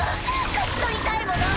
勝ち取りたいもの。